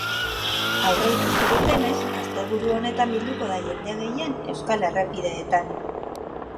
Aurreikusi dutenez, asteburu honetan bilduko da jende gehien euskal errepideetan.